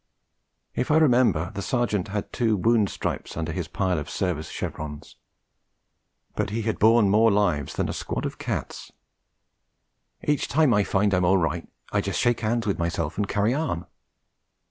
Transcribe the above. If I remember, the Sergeant had two wound stripes under his pile of service chevrons. But he had borne more lives than a squad of cats. 'Each time I find I'm all right, I just shake 'ands with myself and carry on.'